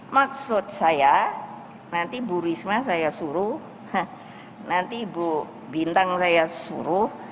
maksud saya nanti bu risma saya suruh nanti bu bintang saya suruh